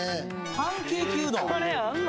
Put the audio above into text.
パンケーキうどん？